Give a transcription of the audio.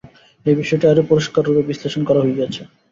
এই বিষয়টি আরও পরিষ্কাররূপে বিশ্লেষণ করা হইয়াছে।